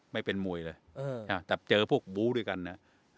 ไม่เป็นมวยเลยอืมอ่าแต่เจอพวกบู๊ด้วยกันอ่ะ